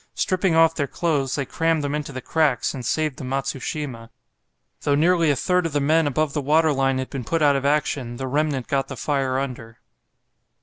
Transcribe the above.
Stripping off their clothes, they crammed them into the cracks, and saved the 'Matsushima'; though nearly a third of the men above the waterline had been put out of action, the remnant got the fire under."